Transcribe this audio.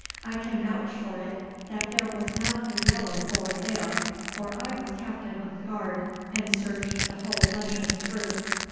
I can vouch for it that there was not a yellow boy there, for I was captain of the guard and searched the whole dungeon through.